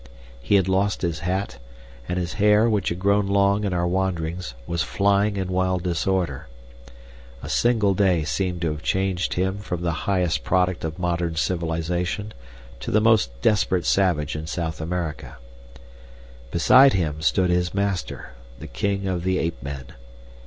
He had lost his hat, and his hair, which had grown long in our wanderings, was flying in wild disorder. A single day seemed to have changed him from the highest product of modern civilization to the most desperate savage in South America. Beside him stood his master, the king of the ape men.